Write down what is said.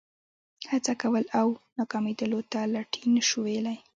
هڅه کول او ناکامېدلو ته لټي نه شو ویلای.